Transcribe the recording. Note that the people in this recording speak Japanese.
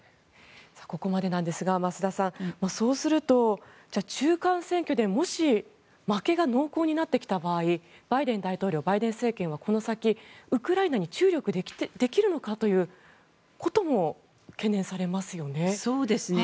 ここまでなんですが増田さん。そうすると、中間選挙でもし負けが濃厚になってきた場合バイデン大統領バイデン政権は、この先ウクライナに注力できるのかということも懸念されますよね。